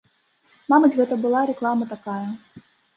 Мабыць, гэта была рэклама такая.